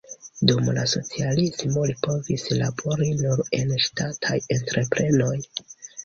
Dum la socialismo li povis labori nur en ŝtataj entreprenoj.